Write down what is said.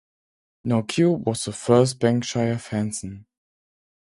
"No Cure" was the first Berkshire fanzine.